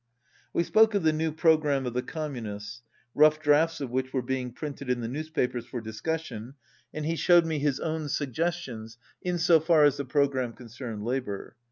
We spoke of the new programme of the Com munists, rough drafts of which were being printed in the newspapers for discussion, and he showed 176 me his own suggestions in so far as the programme concerned labour.